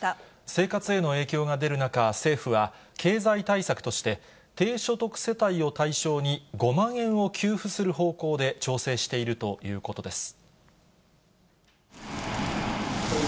生活への影響が出る中、政府は経済対策として、低所得世帯を対象に、５万円を給付する方向で調整しているということです。